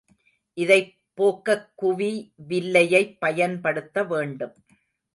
இதைப் போக்கக் குவி வில்லையைப் பயன்படுத்த வேண்டும்.